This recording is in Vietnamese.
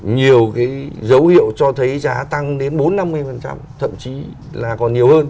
nhiều cái dấu hiệu cho thấy giá tăng đến bốn năm mươi thậm chí là còn nhiều hơn